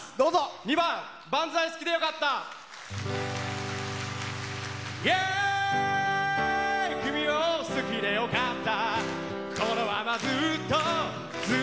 ２番「バンザイ好きでよかった」。